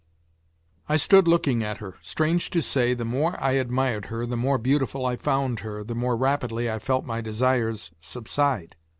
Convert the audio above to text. I stood looking at her. Strange to say, the more I admired her, the more beautiful I found her, the more rapidly I felt my desires subside.